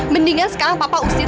mendingan sekarang papa mau berbicara